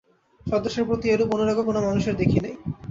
স্বদেশের প্রতি এরূপ অনুরাগও কোন মানুষের দেখি নাই।